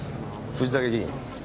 藤竹議員。